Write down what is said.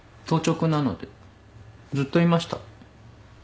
当直なのでずっといました。